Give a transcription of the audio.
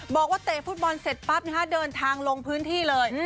เตะฟุตบอลเสร็จปั๊บเดินทางลงพื้นที่เลย